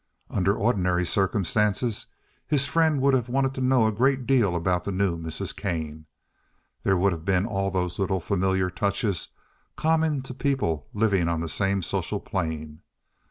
Under ordinary circumstances his friend would have wanted to know a great deal about the new Mrs. Kane. There would have been all those little familiar touches common to people living on the same social plane.